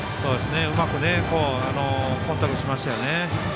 うまくコンタクトしましたよね。